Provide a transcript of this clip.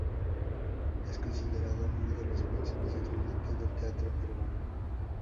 Es considerado uno de los máximos exponentes del teatro peruano.